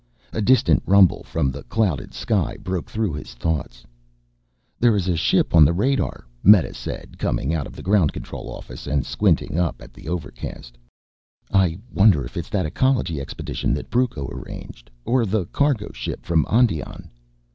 A distant rumble from the clouded sky broke through his thoughts. "There is a ship on the radar," Meta said, coming out of the ground control office and squinting up at the overcast. "I wonder if it is that ecology expedition that Brucco arranged or the cargo ship from Ondion?"